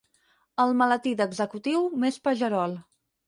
El maletí d'executiu més pagerol.